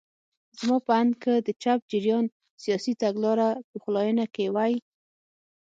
زما په اند که د چپ جریان سیاسي تګلاره پخلاینه کې وای.